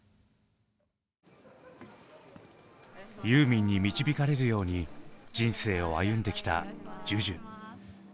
ユーミンに導かれるように人生を歩んできたＪＵＪＵ。